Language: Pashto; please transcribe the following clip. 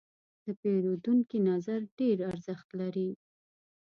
د پیرودونکي نظر ډېر ارزښت لري.